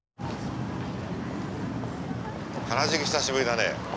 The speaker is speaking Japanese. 原宿久しぶりだね。